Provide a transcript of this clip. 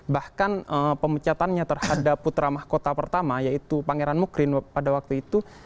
bahkan pemecatannya terhadap putra mahkota pertama yaitu pangeran mukrin pada waktu itu